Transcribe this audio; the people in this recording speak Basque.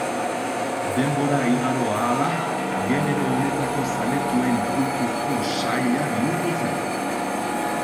Denbora igaro hala, genero honetako zaletuen kultuzko saila bihurtu zen.